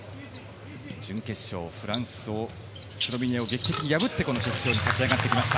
準決勝ではフランス、スロベニアを劇的に破ってこの決勝に勝ち上がってきました。